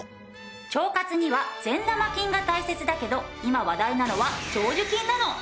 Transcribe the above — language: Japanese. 腸活には善玉菌が大切だけど今話題なのは長寿菌なの。